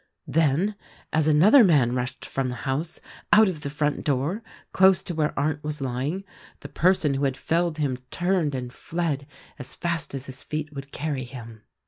Then, as another man rushed from the house, out of the front door, close to where Arndt was lying, the person 122 THE RECORDING ANGEL who had felled him turned and fled as fast as his feet would carry him.